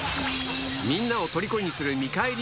みんなをとりこにする見返り